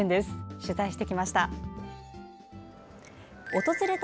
取材してきました。